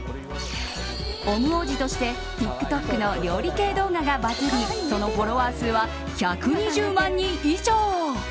オム王子として、ＴｉｋＴｏｋの料理系動画がバズりそのフォロワー数は１２０万人以上。